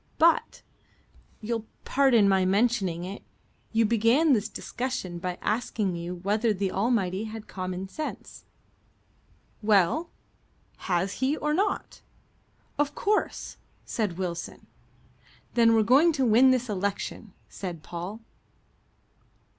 But you'll pardon my mentioning it you began this discussion by asking me whether the Almighty had common sense." "Well, has He or not?" "Of course," said Wilson. "Then we're going to win this election," said Paul.